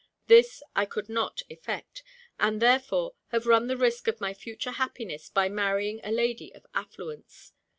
This I could not effect, and, therefore, have run the risk of my future happiness by marrying a lady of affluence.